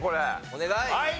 お願い！